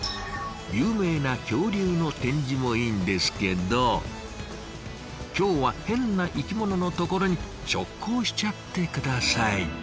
有名な恐竜の展示もいいんですけど今日はヘンな生きもののところに直行しちゃって下さい。